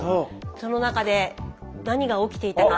その中で何が起きていたか。